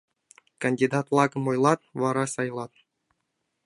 Кандидат-влакым ойлат, вара сайлат.